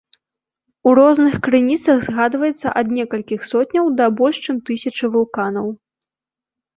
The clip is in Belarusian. У розных крыніцах згадваецца ад некалькіх сотняў, да больш чым тысячы вулканаў.